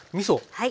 はい。